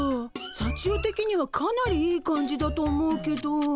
さちよ的にはかなりいい感じだと思うけど。